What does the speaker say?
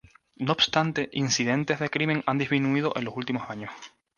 No obstante, incidentes de crimen han disminuido en los últimos años.